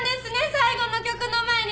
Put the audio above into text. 最後の曲の前に！